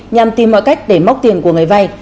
nhằm tìm mọi cách để móc tiền của người vay